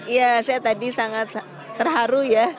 iya saya tadi sangat terharu ya